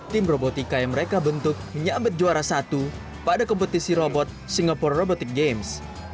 tim robotika yang mereka bentuk menyambat juara satu pada kompetisi robot singapore robotic games